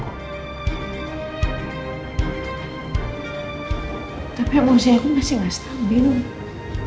tapi emosi aku masih gak stabil